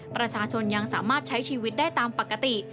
ประชาชนยังสามารถใช้ชีวิตได้ตามปกติ